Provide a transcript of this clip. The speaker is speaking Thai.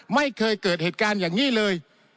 ไม่เคยเกิดเหตุการณ์อย่างนี้เลย